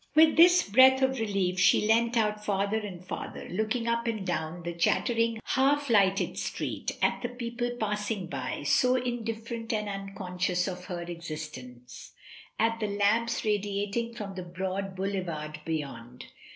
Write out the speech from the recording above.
With this breath of relief she leant out farther and farther, looking up and down the chattering, half lighted street, at the people passing by, so in different and unconscious of her existence, at the lamps radiating from the broad boulevard beyond.